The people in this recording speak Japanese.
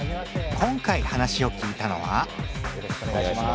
今回話を聞いたのはよろしくおねがいします。